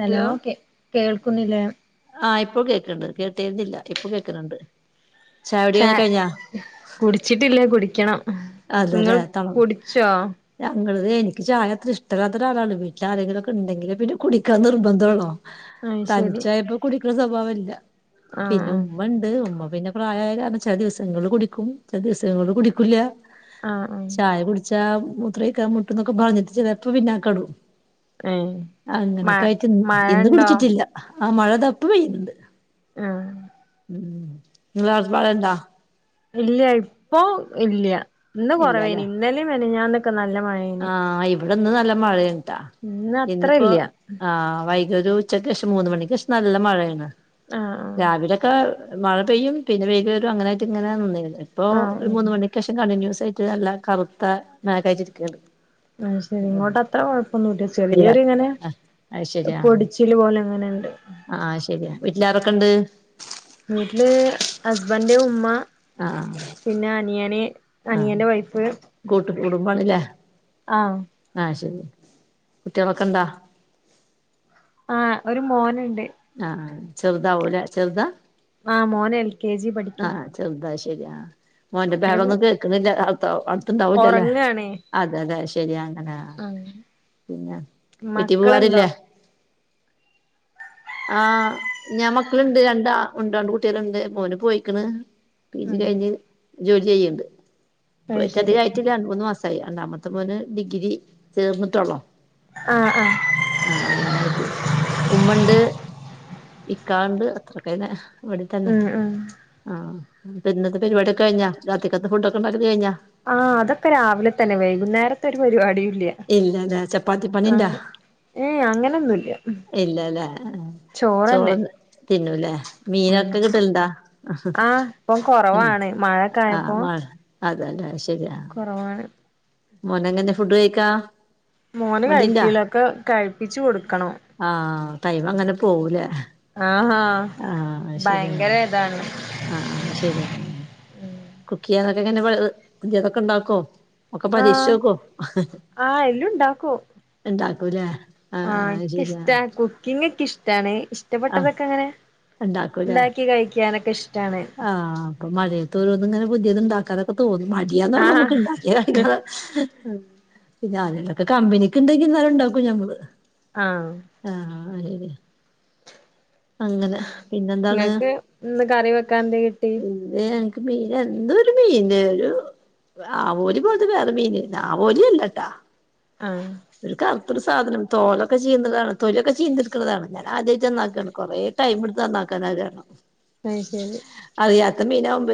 Hello കെ കേൾക്കുന്നില്ലേ ആഹ ഇപ്പൊ കേക്ണ്ട് കേട്ടീരുന്നില്ല ഇപ്പൊ കേക്ണ്ണ്ണ്ട് ചായുടി ചാ ഒക്കെ കഴിഞ്ഞോ കുടിച്ചിട്ടില്ല കുടിയ്ക്കണം ഇങ്ങൾ കുടിച്ചോ ഞങ്ങള്തെ എനിക്ക് ചായ അത്ര ഇഷ്ടല്ലാത്ത ഒരാളാണ് വീട്ടില് ആരെങ്കിലൊക്കെ ഇണ്ടെങ്കിലെ പിന്നെ കുടിക്കാൻ നിർബന്ധം ഒള്ളു അയ് ശരി തനിച്ചായപ്പം കുടിക്കണ സ്വഭാവംല്ല ആഹ് പിന്നെ ആഹ് ഉമ്മ ഉണ്ട് ഉമ്മ പിന്നെ പ്രായായവരാണ് ചെല ദിവസങ്ങളില് കുടിക്കും ചെല ദിവസങ്ങളില് കുടിക്കുല്ല ആഹ് ആഹ് ചായ കുടിച്ച മൂത്രൊയ്ക്കാം മുട്ടുന്നൊക്കെ പറഞ്ഞിട്ട് ചെലപ്പം പിന്നാക്കാം ഇടും ഏഹ് മഴ അങ്ങനൊക്കെ ആയിട്ട് മഴ ഇന്ന് ഉണ്ടോ കുടിച്ചിട്ടില്ല ആ മഴ താ ഇപ്പം പെയ്യ്ണ് ണ്ട് ആഹ ഉം ഇങ്ങളാടെ മഴണ്ടൊ ഇല്ല്യ ഇപ്പൊ ഇല്ല്യ ഇന്ന് കൊറവെയ്നി ഇന്നലിം മിനിഞ്ഞാന്നൊക്കെ നല്ല മഴയ്നിം ആഹ ഇവിടെന്ന് നല്ല മഴേണ് ട്ടൊ ഇന്ന് അത്ര ഇന്നിപ്പോ ഇല്ല ആഹ വൈ ഇതൊരു ഉച്ചക്കേഷം മൂന്ന് മണിക്കേഷം നല്ല മഴയാണ് ആഹ് രാവിലൊക്കെ മഴ പെയ്യും പിന്നെ വെയ്ല് വരും അങ്ങനായിട്ട് ഇങ്ങനെ നിന്നെയ്നി ഇപ്പോ ആഹ് ഒരു ആഹ് മൂന്ന് ആഹ് മണി ക്കേഷം കണ്ടിന്യൂസ് ആയിട്ട് നല്ല കറുത്ത മേഘായിട്ട് ഇരിക്യാണ് അയ് ശരി ഇങ്ങോട്ട് അത്ര കുഴപ്പൊന്നുംല്ല ശരിയാ ചെറിയൊരിങ്ങനെ ആഹ് പൊടിച്ച് ച്ചില് പോലെ അങ്ങനെണ്ട് ആഹ അയ് ശെരിയാ വീട്ടിലാരൊക്കെണ്ട് വീട്ടില് ഹസ്ബൻഡ് ഉമ്മ ആഹ പിന്നെ അനിയന് അനിയന്റെ വൈഫ് കൂട്ട് കുടുംബാണ്ല്ലേ ആഹ് ആയ് ശരി കുട്ടേളൊക്കെണ്ടാ ആഹ ഒരു മോന്ണ്ട് അഹ അഹ ചെറുതാവുലെ ചെറ്താ ആഹ് മോന് എൽ കെ ജി പഠിക്ക്യാ ചെറുതാ ശെരിയാ ആഹ മോന്റെ ബെഹളൊന്നും കേക്ക്ണില്ല ആട്ത് അടുത്തണ്ടാവല്ലൊലെ ഒറങ്ങാണേ അതെലെ ശരിയാ അങ്ങനെ ആഹ് പിന്നെ വീട്ടി മക്കളുണ്ടോ പോവാറില്ലേ ആഹ ഞാൻ മക്കള്ണ്ട് രണ്ടാൾണ്ട് രണ്ട് കുട്ടേള്ണ്ട് മോന് പോയിക്ണ് പി ജി ആഹ് കഴിഞ്ഞ് ജോലി ചെയ്യ്ണ്ട് അത് ശരി പോയിട്ടതികായിട്ടില്ല രണ്ട് മൂന്ന് മാസം സായി രണ്ടാമത്തെ മോന് ഡിഗ്രി ചേർന്ന്ട്ടൊള്ളു ആഹ ആഹ ആഹ അങ്ങനായിട്ട് ഉമ്മണ്ട് നിക്കാണ്ട് അത്രക്ക ഇവിടെത്തന്നെ ഉം ഉം ആഹ ഇന്നത്തെ പരിപാടൊക്കെ കഴിഞ്ഞാ രാത്രിക്കത്തെ ഫുഡ് ഒക്കെ ഉണ്ടാക്കല് കഴിഞ്ഞാ ആഹ അതൊക്കെ രാവിലെ തന്നെ വൈകുന്നേരത്തെ ഒരു പരിപാടിയില്ല ഇല്ല അല്ല ചപ്പാത്തി പണിണ്ടാ ഏ അങ്ങനെൊന്നുംല്ല ചോറ്ന്നെ തിന്നുലേ മീനൊക്കെ കിട്ടലണ്ടാ ആഹ് ഇപ്പം പിന്ന കൊറവാണ് മഴൊക്കെ ആഹ് അതല്ലെ ശരിയാ കുറവാണ്. മോനങ്ങനെ ഫുഡ് കഴിക്കാ. മോന് മടിണ്ടാ കഴക്കലൊക്കെ കഴിപ്പിച്ച് കൊടുക്കണം. ആഹ ടൈം അങ്ങനെ പോവൂലേ. ആഹാ ഭയങ്കര ഇതാണ്. ആഹ ആ് ശരി അങ്ങനാണ് കുക്ക് ചെയ്യാതൊക്കെ എങ്ങനെ പുതിയതൊക്കെ ഉണ്ടാക്കോ. ഒക്കെ പരീക്ഷിച്ച് ആഹ് നോക്കോ ആഹ് എല്ലും ഉണ്ടാക്കൂല്ലേ. ആഹ ഇഷ്ടാ കുക്കിംഗ ഒക്കെ ഇഷ്ടാണ് ആഹ് ഇഷ്ടപ്പെട്ടതൊക്കെ അങ്ങനെ. ഉണ്ടാക്കൂലേ ഉണ്ടാക്കി കഴിക്കാനൊക്കെ ഇഷ്ടാണ്. ആഹ് അപ്പ മഴയത്ത് ഓരോന്ന ഇങ്ങനെ പുതിയത് ഉണ്ടാക്കാനൊക്കെ തോന്നു മടിയാണ് ആഹ് നമുക്ക് ഉണ്ടാക്കിയ കഴകാൻ പിന്നെ അതിലൊക്കെ കമ്പനിക്ക് ഉണ്ടെങ്കി ഇന്നോലം ഉണ്ടാക്കും ഞങ്ങൾ. ആഹ് ആഹ് അതത. അങ്ങനെ. പിന്നെന്താണ് നിങ്ങൾക്ക് ഇന്ന് കറി വെക്കാൻ എന്ത് കിട്ടി. അത എനിക്ക് മീൻ എന്തോ ഒരു മീൻ ഒരു. ആവോലി പോലത്തെ വേറെ മീൻ ആവോലില്ലട്ടാ. ആഹ് ഒരു കറത്തോരു സാധനം തോലൊക്കെ ചെയീണ്ടതാണ് തൊലൊക്കെ ചെയീന്തിടുക്കുന്നതാണ് ഞാൻ ആദ്യമായിട്ടാണ് നന്നാക്കാണ് കുറെ. ടൈം എടുത്താന്നക്കനാ കാരണം. അത് ശരി അറിയാത്ത മീന ആകുമ്പ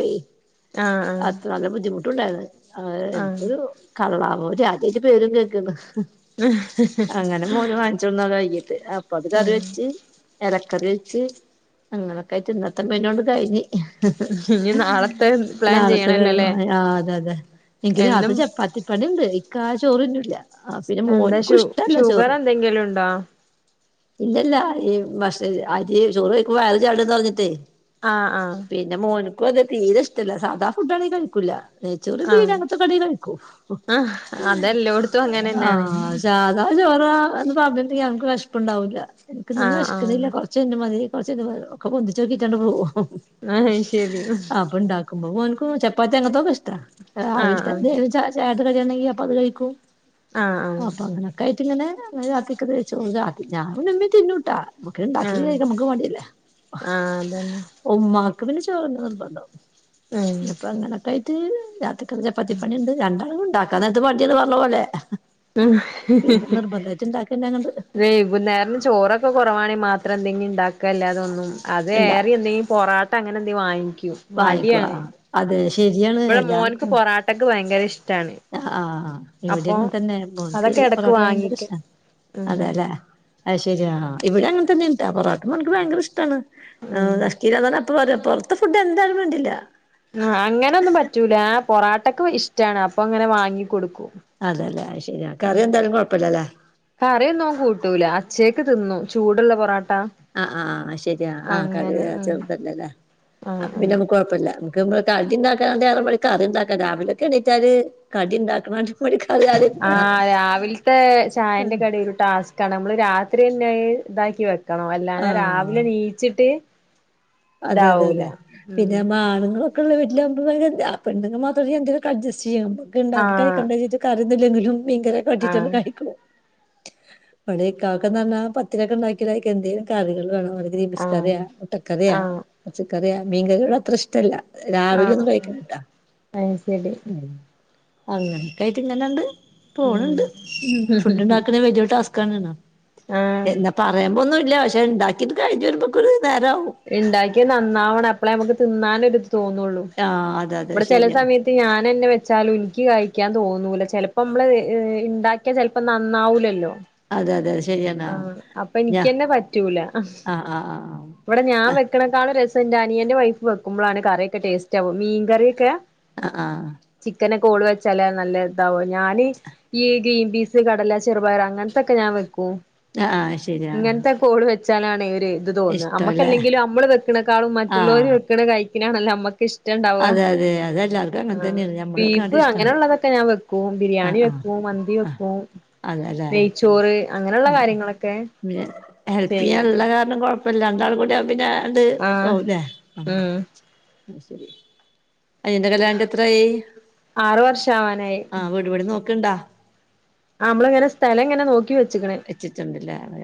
ആഹ് അത്ര ആഹ് നല്ല ബുദ്ധിമുട്ടുണ്ടായിരുന്നു. അവ ആഹ് എന്തൊരു കള്ളാവോ ആദ്യായിട്ട പേരും കേക്കന്ന്. [unintelligible] അങ്ങനെ മോന് വാങ്ങിച്ചു കൊണ്ട് വന്നത വൈകീട്ട് അപ്പൊ അത് കറി ഉം വെച്ച്. ഇലക്കറി വെച്ച് അങ്ങനൊക്കെ ആയിട്ട് ഇന്നത്തെ മെനു കൊണ്ട് കഴിഞ്ഞ്. ഇനി നാളത്തെ പ്ലാൻ നാളത്തെ പരുവ ചെയ്യണല്ലോല്ലേ ആ അതെ അതെ. എനിക്ക് എന്നും രാത്രി ചപ്പാത്തിപ്പണി ഉണ്ട് ഇക്ക ചോറ് തിന്നില്ല. പിന്നെ എന്താ മോനക്കും ഷു ഇഷ്ടല്ല ഷുഗർ ചോറ്. എന്തെങ്കിലും ഉണ്ടോ ഇല്ലല്ല ഈഭക്ഷ അരി ചോറ് കയിച്ച വയറി ചാടന്ന് പറഞ്ഞിട്ടേ ആഹ് ആഹ്. പിന്നെ മോനക്കും അതത് തീരെ ഇഷ്ടല്ല സാധാ ഫുഡ് ആണെങ്കിൽ കഴിക്കൂല്ല. നേച്ചോറ ആഹ് വീടകത്തെ അങ്ങേനെത്ത വെക്കു. [inaudible] എല്ലാടത്തും അങ്ങേനെ ആഹ് സാധാ ചോറാ എന്ന് പറഞ്ഞിട്ട് നമക്ക് വിശപ്പു ഉണ്ടാവില്ല. എനിക്കിന്നും ആഹ് ആഹ് വിശക്കുന്നില്ല കൊറച്ച എന്റെ മതി കൊറച്ച് ഇ ഒക്കെ പൊന്തിച്ചു നോക്കിട്ടണ്ട് പോകും. ആഹ് ശരി അപ്പോ ഉണ്ടാക [unintelligible] കുഭഭോനും ചപ്പാത്തി എങ്ങത്തോക്ക ഇഷ്ടം ആഹ് ആഹ് രവിലത്തെവെച്ചിട്ട ചേട്ട കഴിയാണ ചപ്പാത്തി കൈക്കും. ആഹ് ആഹ് അപ്പൊ അങ്ങനൊക്ക ആയിട്ടിങ്ങനെക്കോത്തി കഴിച്ചോളും ഞാനൻമ്മെ തിന്നുട്ടാ. നക്ക ഇണ്ടാക്കിത് കഴ ആഹ് നമ്മുക്ക് മടിയല്ലേ. ആഹ് അതന്നെ ഉമ്മാക്ക് പിന്നെ ചോറങ്ങ നിർബന്തവും അപ്പൊ അങ്ങനൊക്കെ ആയിട്ട് രാത്രി. ഇ ചപ്പത്തിപ്പണി ഉണ്ട് രണ്ടാളും ഉണ്ടാക്കാ അത്തെ വണ്ടിയന്ന് പറഞ്ഞ പോലെ. ഉ. പിന്നെ നിർബന്ധായിട്ട് ഉണ്ടാക്കന്നെ അങ്ങട് വൈകുന്നേരം ചോറൊക്കെകുറവാണെ മാത്രം എന്തെങ്കിണ്ടാക്കല്ലാതൊന്നും അത് ഇണ്ടാ വേറെ എന്തെങ്കിലും പൊറാട്ട അങ്ങനെ എന്തെങ്കിലും വാങ്ങിക്കും. വാങ്ങിക്കൊള മടിയാണ് അഹ് അത് ശരിയാണ് എല്ലാർക്കും ക്കക്ക് ഭയങ്കരയിഷ്ടാണ്. ആഹ് ആഹാ ഇവടിയങ്ങനത്തനെ മോൻക്ക് അതൊക്കെ ഇടക്ക് പൊറാട്ട ഭയങ്കരയിഷ്ട്ട വാങ്ങിക്കും ഉം അതേലേ? അത് ശരിയാ ഇവിടങ്ങനതന്നെയാ പൊറോട്ട മോൻക്ക് ഭയങ്കരെഷ്ടാണ് ഉം [unintelligible] അപ്പ പറയും പൊറത്തെ ഫുഡെന്തായാലും വേണ്ടില്ല ആ അങ്ങനൊന്നും പറ്റൂല പൊറാട്ടക്ക് ഇഷ്ട്ടാണ് അപ്പങ്ങനെ വാങ്ങിക്കൊടുക്കും അതേല്ലേ? അഹ് ശെരിയാ കറിയെന്തായാലും കൊഴപ്പല്ല്യലേ? കറിയൊന്നും ഓന് കൂട്ടൂല അച്ചേക്ക് തിന്നും ചൂടുള്ള പൊറാട്ട ആഹ് ആഹ് അഹ്ശരിയാ ആഹ് കറി ഉം ചെർതല്ലലേ? ആഹ് അപ്പ ആഹ് പിന്നെ കൊഴപ്പല്ല നമുക്ക് നമ്മളെ കടിണ്ടാക്കാട്ടിലും പണി കറിണ്ടാക്കാനാ രാവിലൊക്കെ എണീറ്റാല് കടിണ്ടാക്ക്ണാട്ടി യാദ്യം ആ രാവിൽത്തെ ചായന്റെ കടിയൊരു ടാസ്കാ ണ് നമ്മള് രാത്രിയന്നത് ഇതാക്കി വെക്കണം അല്ലാതെ ആഹ് രാവിലെ നീച്ചിട്ട് അതെ അതെ ഇതാവൂല അതെ ഉം പിന്നമ്മളെ ആണുങ്ങളൊ വീട്ടിലൊക്കെ ഒമ്പതുമണി പെണ്ണ്ങ്ങള് മാത്രള്ള വീട്ടില് എന്തെങ്കിലൊക്കെ അഡ്ജസ്റ്റെയ്യ ഇത്ണ്ടാക്കി ആഹ് കഴിക്കേണ്ടെ വെച്ച്ട്ട് കറിയൊന്നുല്ലെങ്കിലും മീൻകറിയൊക്കെ വറ്റിച്ചാട്ട് ആഹ് കഴിക്കും ഇവടെക്കാക്ക്ന്ന് പറഞ്ഞ പത്തിരിയൊക്കെണ്ടാക്കിയാല് അയിക്കെന്തേലും കറികള് വേണോന്ന് പറയും ഗ്രീൻ പീസ് ആഹ് കറിയോ, മുട്ടക്കറിയോ, ആഹ് പച്ചക്കറിയാ, മീൻ കറിയോടത്രഷ്ടല്ല രാവിലെയൊന്നും ആഹ് കഴിക്കണട്ടാ അത് ശരി അങ്ങനക്കായിട്ട്ങ്ങനാണ്ട് പോണ് ണ്ട് ഉം ഫുഡ്ണ്ടാക്കണേ വലിയൊരു ടാസ്ക്കാണ് ണാ ആഹ് എന്ന പറയുമ്പൊന്നുല്ലാ. പക്ഷെണ്ടാക്കിട്ട് കഴിഞ്ഞു വരുമ്പോക്കൊരു നേരാവും ഇണ്ടാക്കിയ നന്നാവണം അപ്പളേ നമുക്ക് തിന്നാനൊരു തോന്നുള്ളൂ ആഹ് അതെ അതെ ഇവിടെ ചെലെ ശരിയാണ് സമയത്ത് ഞാനെന്നെ വെച്ചാലും എനിക്ക് കഴിക്കാൻ തോന്നൂല ചെലപ്പോ മ്മള് ഇണ്ടാക്കിയാ ചെലപ്പോ നന്നാവൂലല്ലോ? അതെ അതെ അത്ശരിയാണ് ആഹ് അപ്പയെനിക്കെന്നെ പറ്റൂല ആഹ് ആഹ് ആഹ് ഇവടെ ഞാൻ വെക്കാണെക്കാളും രസന്റെ അനിയന്റെ വൈഫ് വെക്കുമ്പളാണ് കറിയൊക്കെ ടേസ്റ്റാവാ മീൻ കറിയൊക്കെ? ആഹ് ഹാ ചിക്കനെക്കെ ഓള് വെച്ചാലാ നല്ലതാവ ഞാന് ഈ ഗ്രീൻ പീസ്, കടല, ചെറുപയറ് അങ്ങനത്തൊക്കെ ഞാൻ വെക്കും ആഹ് അഹ് ശെരി ഇങ്ങനത്തെകോള് വെച്ചാലാണ് ഒര്ത് തോന്ന ഇഷ്ടല്ലേ നമ്മക്കല്ലെങ്കിലും നമ്മള് വെക്കണേക്കാളും മറ്റുള്ളോര് ആഹ് വെ ക്കണ കഴിക്ക്ണാണല്ലോ നമ്മക്ക്ശ്ട ണ്ടാവുക അതെ അതെ അതെല്ലാർക്കും അങ്ങനെ ആ തന്നെയാണ് ഞമ്മളൊക്കെ അത് ബീഫ് ഇഷ്ടാ അങ്ങനെുള്ളതൊക്കെ ഞാൻ വെക്കും ബിരിയാണി ആഹ് ആഹ് വെക്കും മന്തി ആഹ് വെക്കും. അതെല്ലേ? നെയ്ച്ചോറ് അങ്ങനെ ഉം പിന്നെ ഹെൽപ്പിയ്യാൻ ചെയ്യും ഇള്ള കാരണം കൊഴപ്പല്ല രണ്ടാളും കൂടിയാവുമ്പോ പിന്നെ ആണ്ട് ആഹ് ആവുല്ലേ? ഉം അനിയന്റെ കല്യാണ കഴിഞ്ട്ടെത്രായി ആറ് വർഷം ആവാനായി ആഹ് വീട് പണി നോക്ക്ണ്ടാ? ആഹ് അമ്മള്ങ്ങനെ സ്ഥലങ്ങെനെ നോക്കി വെച്ച് വെച്ചിട്ടുണ്ട്ല്ലേ? അള്ളാ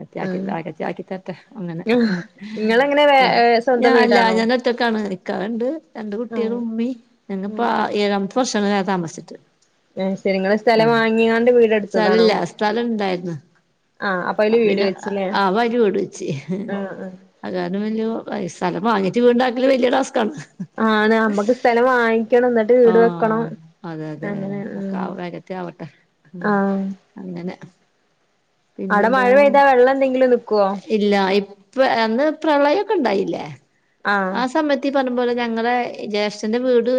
ആഹിറത്തിലാക്കി തരട്ടെ അങ്ങനെ ഉം നിങ്ങളെങ്ങനെ വേ പിന്നെ സ്വന്തം ഞൻ അല്ല വീടാണോ ഞാനൊറ്റക്കാണ് ഇക്കടണ്ട് രണ്ട് ആഹ് കുട്ടിയളും, ഉമ്മി ഞ്ഞങ്ങപ്പ ആഹ് ആ ആഹ് ഏഴാമത്തെ വർഷങ്ങളായി താമസിച്ചിട്ട് ആഹ് ശരി നിങ്ങള് സ്ഥലം ആഹ് വാങ്ങിയാണ്ട് വീടെടുത്തതാണോ സ്ഥലല്ല സ്ഥലണ്ടായിര്ന്ന് ആഹ് അപ്പൊ അപ്പ അതില് വീട് പിന്നെ വെച്ചില്ലേ അപ്പയില് വീട് വെച്ച് ആഹ് അത് കാരണം വല്യ കൊഴ സ്ഥലം വാങ്ങിട്ട് വീട്ണ്ടാക്കല് വലിയ ടാസ്ക്ണ് ആണ് അമ്മക്ക് സ്ഥലമായി ക്കണം ന്നട്ട് വീട് വെക്കണം ആഹ് അതെ അതെ അങ്ങനെ ഒക്കെ ഉം ആ വേഗത്തി ആവട്ടെ ഉം ആഹ് അങ്ങനെ അടെ പിന്നെന്താ മഴ പെയ്താ വെള്ളഎന്തെങ്കിലും നിക്കുവോ ഇല്ല ഇപ്പ അന്ന് പ്രളയോക്കെ ണ്ടായില്ലേ ആഹ് ആ സമയത്ത് ത്തി പറഞ്ഞ പോലെ ഞങ്ങളെ ജേഷ്ഠന്റെ വീട്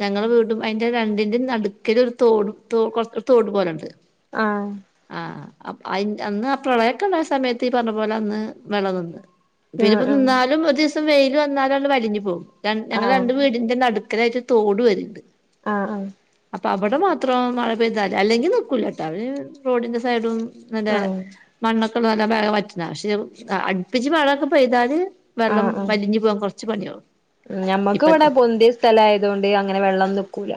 ഞങ്ങളെ വീടും അയിന്റെ രണ്ടിന്റെ നടുക്കൽ ഒരു തോടും തോ കൊർഒരു തോട് പോലെണ്ട് ആഹ് ആഹ് അപ്പ് അന്ന് ആ പ്രളയൊക്കെ ഉണ്ടായ സമയത്ത് ഈ പറഞ്ഞ പോലെ അന്ന് വെള്ളം നിന്ന് പിന്നെ ഇപ്പം ആഹ് നിന്നാലും ഒരു ദിവസം വെയില് വന്നാലും അട് വലിഞ് പോവും ആഹ് ഞങ്ങള് ആഹ് രണ്ട് വീടിന്റെ നടുക്കലായിട്ട് തോടുവരുണ്ട് ആഹ് ആഹ് അപ്പൊ അവിടെ മാത്രം മഴ പെയ്താല് അല്ലെങ്കി നിക്കൂല കേട്ടോ അവ റോഡിന്റെ സൈഡും നല്ല ആഹ് മണ്ണൊക്കെള്ള നല്ല ബേഗ് പറ്റുന്ന പക്ഷെ അടുപ്പിച്ച് മഴൊക്കെ പെയ്താല് വെള്ളം വലിഞ്ഞ് പോവാൻ കുറച്ച് പണിയാവും ഉം നമ്മക്ക് ഇപ്പ ഇവിടെ പൊന്തിയ സ്ഥലായതുകൊണ്ട് അങ്ങനെ വെള്ളം നിക്കൂല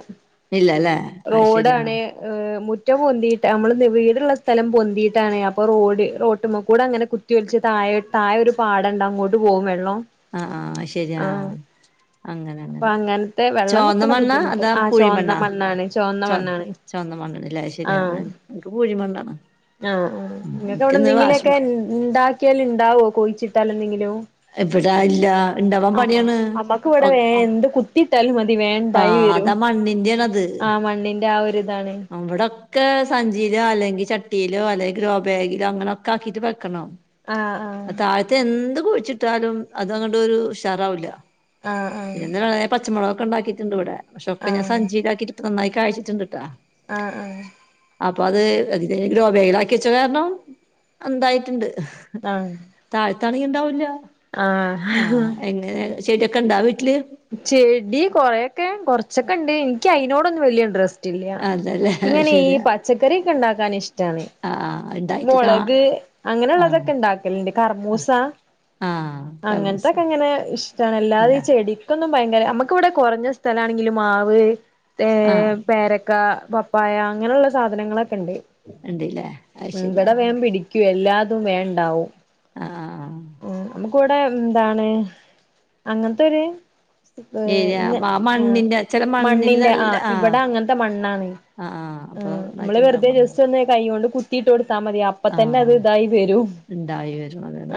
ഇല്ലല്ലേ അത് ശരി ആഹ് റോഡാണ് ഹ് മുറ്റം പൊന്തിയിട്ട് നമ്മള് വീടുള്ള സ്ഥലം പൊന്തിയിട്ടാണ് അപ്പൊ റോഡ് റോട്ടുമ്മ കൂടെ അങ്ങനെ കു കുതിയൊലിച്ച് താഴെ താഴെ ഒരു പാടണ്ട് അങ്ങോട്ട് പോകും വെള്ളം ആഹ് ആഹ് ശരിയാ ആഹ് അങ്ങനെ അപ്പൊ അങ്ങനെ അങ്ങനത്തെ വെള്ളം നിക്കണ ചുവന്തമണ്ണാ ബുദ്ധിമുട്ട് അതാ ആഹ് ചുവന്ന പുഴിമണ്ണാ മണ്ണാണ് ചുവന്ന ച മണ്ണാണ് ചോന്ത മണ്ണല്ലേ ആഹ് ശെരിയാണ് എനിക്ക് പൂഴിമണ്ണാണ് ആഹ് ആഹ് നിങ്ങക്ക് അവിടെ എന്തെങ്കിലുമൊക്കെ ഉണ്ടാക്കിയാല് ണ്ടാവോ കോഴിച്ചിട്ടാൽ എന്തെങ്കിലോ ഇവിടെ ഇല്ല ഇണ്ടാവാൻ ആഹ് പണിയാണ് നമ്മക്ക് ഇവിടെ വേ എന്ത് കു ത്തിട്ടാൽ മതി വേണ്ടായി വരും മണ്ണിന്റിയാണത് ആഹ് മണ്ണിന്റെ ആ ഒരുരിതാണ് അവിടൊക്കെ സഞ്ചിയിലോ അല്ലെങ്കി ചട്ടിയിലോ അല്ലെങ്കി ഗോബാഗിലോ അങ്ങനെ ഒക്കെ ആക്കിട്ട് വെക്കണോ ആഹ് ആഹ് ത് എന്ത് കുഴിച്ചിട്ടാലും അതങ്ങട്ട് ഒരു ഉഷാറാവില്ല ആഹ് ആഹ് പിന്നെവെ പച്ചമുളകൊക്കെ ഉണ്ടാക്കിയിട്ടുണ്ട് ഇവിടെ പക്ഷൊക്കെ ഞാൻ ആഹ് സഞ്ചിയിലാക്കിട്ട് നന്നായി കാഴ്ച്ചിട്ടണ്ട്ട്ടാ ആഹ് ആഹ് അപ്പൊ അത് അതി ഗ്രോപേഗിലാക്കി വെച്ച കാരണം എന്തായിട്ടുണ്ട് ആഹ് താഴ്ത്തണങ്കിണ്ടാവൂല്ല ആഹ് എങ്ങനെ ചെടിയൊക്കെ ഇണ്ടോ വീട്ടില് ചെടി കൊറെൊക്കെ കൊറച്ചൊക്കെ ഉണ്ട് എനിക്ക് അയിനോടൊന്ന് വലിയ ഇൻഡ്രസ്സ് റ്റില്ല ക്ക് അതല്ലേ ഇങ്ങനെ ഈ ശരിയാ പച്ചക്കറി ഒക്കെ ണ്ടാക്കാൻ ഇഷ്ടാണ് ആഹ് ആഹ് ഇണ്ടായിട്ട് കാ മുളക് ആഹ് അങ്ങനെയള്ളതൊക്കെ ഇണ്ടാക്കലിണ്ട് കർമൂസ ആഹ് കർമൂസ അങ്ങനത്തൊക്കെ അങ്ങനെ ഇഷ്ടാണ് അല്ലാതെ ഈ ഇണ്ടാ ചെടി തൊന്നും ഭയങ്കര നമുക്ക് ഇവിടെ കുറഞ്ഞ സ്ഥലാണെങ്കിലും മാവ് ഏ ആഹ് പേരക്ക പപ്പായ അങ്ങനെയുള്ള സാധനങ്ങളൊക്കെ ഉണ്ട് ഉണ്ടല്ലേ അയ്ശരി ആഹ് ക്കു എല്ലാതും വേണ്ടാവും ആഹ് കൂടെ എന്താണ് അങ്ങനത്തൊരു ഏരി ആ മണ്ണിന്റെ അ ചെല മണ്ണിന്റെ ആ മണ്ണിലല്ല ആഹ് ഇവിടെ അങ്ങനത്തെ ആഹ് ആഹ് അപ്പൊ [unintelligible] ജസ്റ്റൊന്ന് കയ്യോണ്ട് കു ത്തിയിട്ടൊടുത്താ മതി ആഹ് അപ്പതന്നത് ഇതായി വരും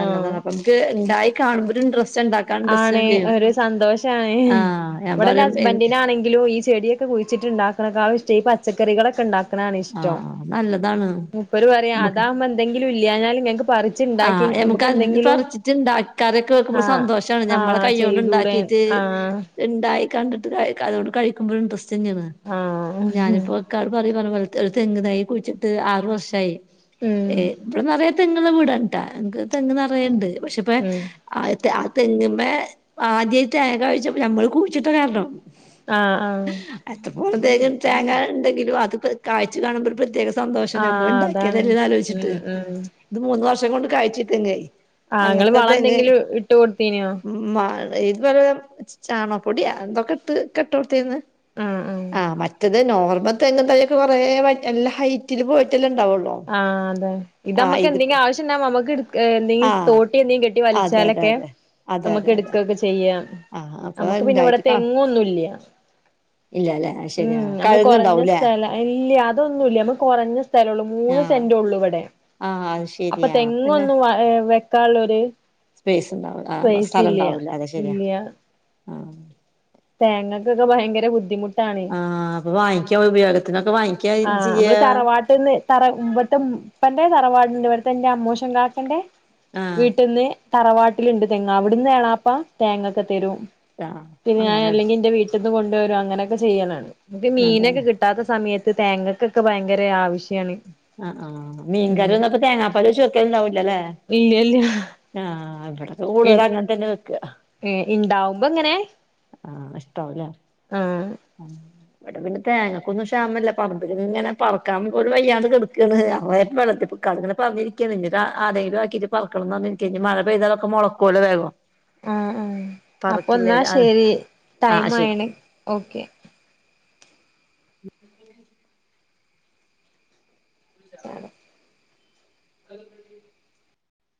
ആഹ് ക് ഇണ്ടായി കാണ് മ്പം ഒര് ഇന്ററസ്റ്റണ്ടാ ആണ് ഒരു സന്തോഷാണ് ആഹ് ഞാൻ ഇവടെന്റെ പറയും എ ഹസ്ബന്റ്നാണെങ്കിലും ഈ ചെടിയൊ. ത്ത് കുയ്ച്ചിട്ടുണ്ടാക്കണക്കാളും ഇഷ്ട്ടം ഈ പച്ചക്കറികളൊക്കെ ഇണ്ടാക്ക്. ക്ക്ണാണ് ഇഷ്ട്ടം ആഹ് നല്ലതാണ് മുപ്പര് പറിം നമുക്ക് അതാവുമ്പോ എന്തെങ്കിലും ഇല്ല്യാഞ്ഞാല്ങ്ങക്ക് പറി. ആഹ് യമക്ക് അതിന്ന് പറ്ച്ച്ട്ടാണ്ടാ ക്കറിയൊക്കെ വെക്കുമ്പോ ആഹ് സന്തോഷ. ഷാണ് ഞമ്മളെ ആഹ് ചെയ്തൂടെ കയ്യോണ്ട്ണ്ടാക്കീട്ട്. ആഹ് ഇണ്ടായി കണ്ടിട്ട് കയ് ക അതോണ്ട് കഴിക്ക്മ്പോൻട്രസ്റ്റന്നേണ് ആഹ് ഞാന്പ്പോ. ക്കാട് പറി പർഞ്ഞൽത്ത് ഒരു തെങ്ങ് തൈ കുഴിച്ചിട്ട് ആറു വർഷായി ഉം ഏഹ്. ഇബടെ നെറയെ തെങ്ങ്ള്ള വീടാണ് ട്ട ഇൻക്ക് തെങ്ങ് നെറയ്ണ്ട് പക്ഷെപ്പ. ഉം ആദ്യത്തെ ആ തെങ്ങ്മെ ആദ്യായിട്ട് തേങ്ങ കായ്ച്ചപ്പൊ നമ്മള് കുയ്ച്ചിട്ട കാരണം. ആഹ് ആഹ്. എത്ത്കോണം തെങ്ങി തേങ്ങാ ഇണ്ടെങ്കിലും അത് പെ കായ്ച് കാണുമ്പോൾ ഒരു പ്രത്യേക. സന്തോഷം ഞമ്മൾ ആഹ് അതാണ് ഇണ്ടാക്കിയതെല്ലെന്ന് ഉം ആലോയ്ച്ചിട്ട് ഉം ഇത് മൂന്ന് വർഷം കൊണ്ട് കായ്ച്ചീ തെങ്ങ്. ആ ഇങ്ങള് വളന്തെങ്കിലും ഇട്ട് കൊടുത്തീനോ. മാ ഇത് വലെ ചാണപ്പൊടിയാ ന്തൊക്കെ ഇട്ട് ക്കെട്ടൊട്ത്തീന്. ആഹ് മറ്റെത്. നോർമ ത്തെങ്ങ്തൈയൊക്കെ കൊറേ വ നല്ല ഹൈറ്റിൽ പോയിട്ടല്ലാംണ്ടാവൊള്ളോ. ആഹ് അത ഇതമ്മക്ക് എന്തെങ്കി ആവശ്യം ണ്ടാവുമ്പൊ നമക്ക്ട്. ക്കാ എന്തെങ്കി ആഹ് തോട്ടി എന്തെങ്കും കെട്ടി അതെ അതെ വലിച്ചാലൊക്കെ അതെ അതെ അതെ അതെ അമ്മക്കെട്ക്കൊക്കെ ചെയ്യാം. ആഹ് അപ്പൊ അമ്മക്ക് പിന്നെവ്ടെ ഉണ്ടായിട്ട് തെങ്ങുവൊന്നുല്ല്യ. ഇല്ലലെ. ഉം ഞമ്മള് കൊറഞ്ഞ സ്ഥല ഇല്ല്യ അതൊന്നുല്ല്യ നമ്മ കൊറഞ്ഞ സ്ഥലൊള്ളു. മൂന്ന് ആഹ് സെന്റുള്ളു ഇവടെ ആഹ് അത് അപ്പൊ ശരിയാ പിന്നെ തെങ്ങൊന്നും വെക്കാള്ളൊര്. സ്പേസ് ഉണ്ടാവുല ആ സ്ഥലംണ്ടാവല അത് ശെര്യാ ആഹ്. തേങ്ങക്കക്കെ ഭയങ്കര ബുദ്ധിമുട്ട്. ആഹ് അപ്പൊ വാങ്ങിക്ക്യ ഉപയോഗത്തിനൊക്കെ വാങ്ങിക്ക്യാ ചെയ്യാ. ട്ട്ന്ന് തറ ഇവ്ട്ത്തെ ഉപ്പന്റെ തറവാട്ണ്ട് ഇവട്ത്തെന്റെ അമ്മോശൻ കാക്കന്റെ. ആഹ് വീട്ട്ന്ന് തറവാട്ടില്ണ്ട് തെങ്ങ് അവിട്ന്ന് എളാപ്പ തേങ്ങൊക്കെ തരും. താഹ്. പിന്ന ഞാ അല്ലെങ്കിൽ ഇന്റെ വീട്ട്ന്ന് കൊണ്ടുവരോ അങ്ങനൊക്കെ ചെയ്യലാണ് ഇൻക്ക് അതാണ് മീനൊക്കെ കി ട്ടാത്ത സമയത്ത് തേങ്ങക്കൊക്കെ ബൈങ്കര ആവശ്യാണ്. ആഹ് ആഹ് മീൻ കറി ഉം ഒന്നുംപ്പ തേങ്ങാപ്പാലൊയിച്ച് വെക്കലുണ്ടാവൂലല്ലേ. ഇല്ലല്ല ആഹ് ഇവ്ടെ കൂടുതലും അങ്ങൻതന്നെ വെക്ക. ഇണ്ടാവുമ്പൊങ്ങനെക്കെ ആഹ് ഇഷ്ട്ടാവുലെ. ആഹ്. ഇവ്ടെ പിന്നെ തേങ്ങക്കൊന്നും ക്ഷാമല്ല പറമ്പ്ൽങ്ങനെ പർക്കാൻ പോലും വയ്യാ. [unintelligible] ക്ക്ണ് അവ വെള്ളത്തിക്കൾങ്ങനെ പറഞ്ഞിരിക്കാണ് ഇനി ആരേലും ആക്കിട്ട് പർക്കണംന്നർഞ്ഞ്. കെഞ്ഞ് ഇഞ് മഴ പെയ്താ തൊക്കെ മൊള് ക്കല്ലോ വേഗം. ആ ആ അപ്പൊ ഇന്നാ പറക്കില്ലേല് അത് ശെരി ആ ശരി ടൈമായിണ് ഓക്കെ. [inaudible] സാണം. [inaudible]